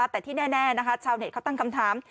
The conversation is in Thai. แต่ที่แน่ชาวเน็ตเขาตั้งคำถาม